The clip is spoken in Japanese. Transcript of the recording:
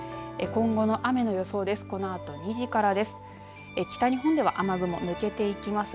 今後の雨の予想です。